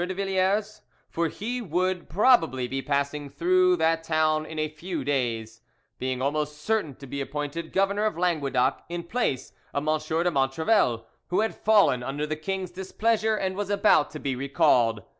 de Villars; for he would probably be passing through that town in a few days, being almost certain to be appointed governor of Languedoc in place of M. de Montrevel, who had fallen under the king's displeasure and was about to be recalled.